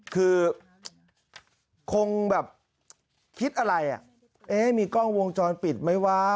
คือคงแบบคิดอะไรมีกล้องวงจรปิดไหมวะ